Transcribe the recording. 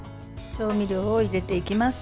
調味料を入れていきます。